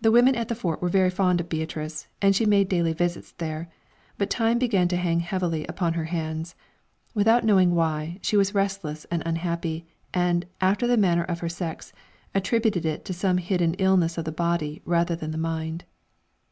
The women at the Fort were very fond of Beatrice, and she made daily visits there, but time began to hang heavily upon her hands. Without knowing why, she was restless and unhappy, and, after the manner of her sex, attributed it to some hidden illness of the body rather than the mind.